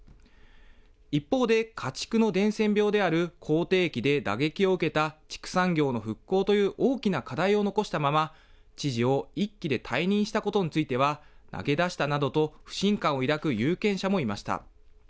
一方で、家畜の伝染病である口てい疫で打撃を受けた畜産業の復興という大きな課題を残したまま、知事を１期で退任したことについては、投げ出したなどと不信感を抱く有権者もいました。